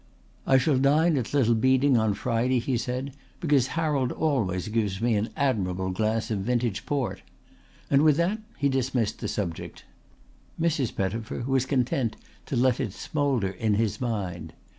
"I shall dine at Little Beeding on Friday," he said, "because Harold always gives me an admirable glass of vintage port"; and with that he dismissed the subject. Mrs. Pettifer was content to let it smoulder in his mind.